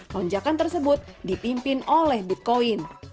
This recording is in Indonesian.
lonjakan tersebut dipimpin oleh bitcoin